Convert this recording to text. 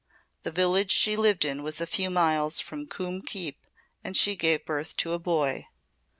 The village she lived in was a few miles from Coombe Keep and she gave birth to a boy.